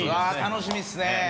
楽しみっすね。